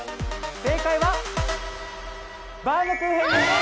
正解は「バウムクーヘン」です！